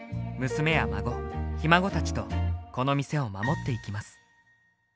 娘や孫ひ孫たちとこの店を守っていきます。